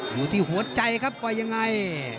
อยู่ที่หัวใจครับว่ายังไง